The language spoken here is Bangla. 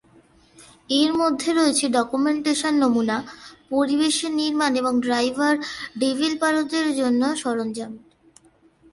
এর মধ্যে রয়েছে ডকুমেন্টেশন, নমুনা, পরিবেশ নির্মাণ এবং ড্রাইভার ডেভেলপারদের জন্য সরঞ্জাম।